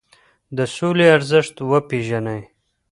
د سولي ارزښت وپیرژنئ.